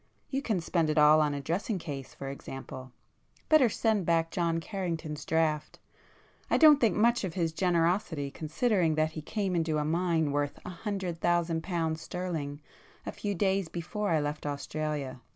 You can spend it all on a dressing case for example. Better send back John Carrington's draft,—I don't think much of his generosity considering that he came into a mine worth a hundred thousand pounds sterling, a few days before I left Australia."